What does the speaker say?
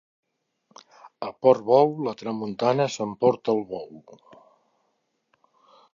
A Portbou, la tramuntana s'emporta el bou.